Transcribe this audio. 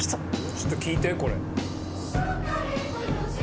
ちょっと聴いてこれ。